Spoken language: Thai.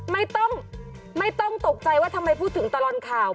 ไม่ต้องไม่ต้องตกใจว่าทำไมพูดถึงตลอดข่าว